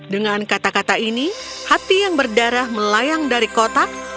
dengan kata kata ini hati yang berdarah melayang dari kotak